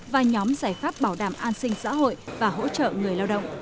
và nhóm giải pháp bảo đảm an sinh xã hội và hỗ trợ người lao động